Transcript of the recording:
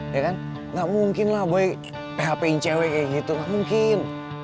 ya kan gak mungkin lah boy hpin cewek kayak gitu gak mungkin